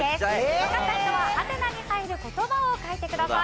わかった人はハテナに入る言葉を書いてください。